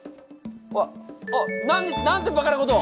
あっあっなんてバカなことを！